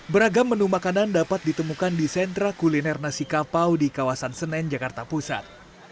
beragam menu makanan dapat ditemukan di sentra kuliner nasi kapau di kawasan senen jakarta pusat